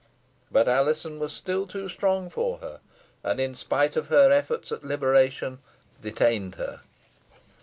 But Alizon was still too strong for her, and, in spite of her efforts at liberation, detained her.